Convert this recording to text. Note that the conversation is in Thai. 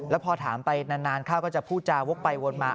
แล้วพอถามไปนานข้าวก็จะพูดจาวกไปวนมา